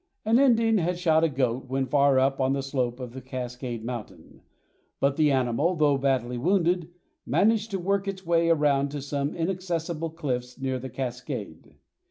An Indian had shot a goat when far up on the slope of Cascade Mountain, but the animal, though badly wounded, managed to work its way around to some inaccessible cliffs near the cascade.